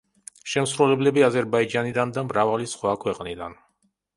შემსრულებლები აზერბაიჯანიდან და მრავალი სხვა ქვეყნიდან.